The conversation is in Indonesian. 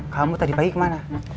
kamu tadi pagi kemana